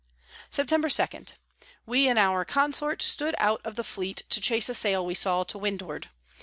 Septemb. 2. We and our Consort stood out of the Fleet to chase a Sail we saw to Windward.